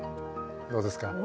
どうですか？